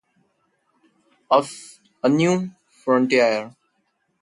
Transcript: "A New Frontier".